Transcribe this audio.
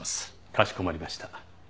かしこまりました。